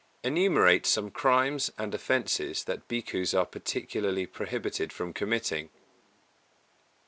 _Enumerate some crimes and offences that Bhikkhus are particularly prohibited from committing?